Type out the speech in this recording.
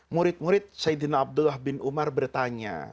murid murid saidina abdullah bin umar bertanya